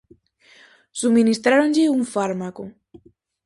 Subministráronlle un fármaco.